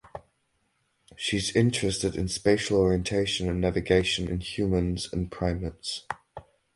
She is interested in spatial orientation and navigation in humans and primates.